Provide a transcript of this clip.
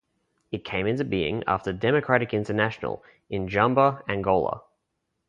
It came into being after Democratic International in Jamba, Angola.